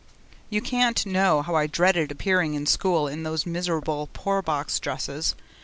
You can't know how I dreaded appearing in school in those miserable poor box dresses.